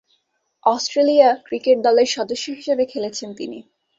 Australia cricket দলের সদস্য হিসেবে খেলেছেন তিনি।